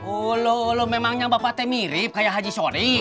ulo ulo memangnya bapak teh mirip kayak haji shodik